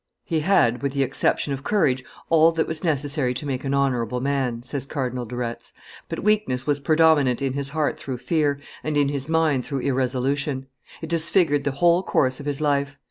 "He had, with the exception of courage, all that was necessary to make an honorable man," says Cardinal de Retz, "but weakness was predominant in his heart through fear, and in his mind through irresolution; it disfigured the whole course of his life.